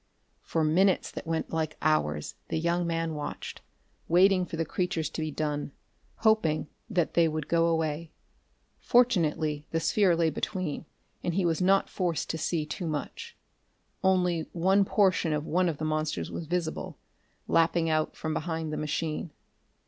For minutes that went like hours the young man watched, waiting for the creatures to be done, hoping that they would go away. Fortunately the sphere lay between, and he was not forced to see too much. Only one portion of one of the monsters was visible, lapping out from behind the machine....